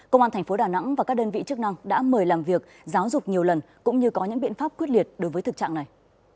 công an thành phố đà nẵng và các đơn vị chức năng đã mời làm việc giáo dục nhiều lần cũng như có những biện pháp quyết liệt đối với thực trạng này